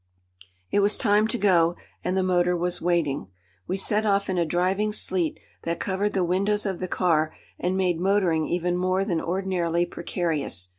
It was time to go and the motor was waiting. We set off in a driving sleet that covered the windows of the car and made motoring even more than ordinarily precarious.